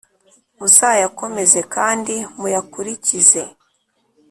Muzayakomeze kandi muyakurikize,